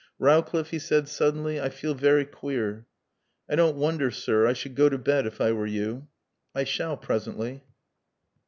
"Rowcliffe," he said suddenly, "I feel very queer." "I don't wonder, sir. I should go to bed if I were you." "I shall. Presently."